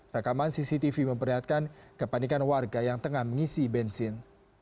rekaman cctv memperlihatkan kepanikan warga yang tengah mengisi bensin